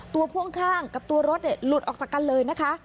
พ่วงข้างกับตัวรถหลุดออกจากกันเลยนะคะ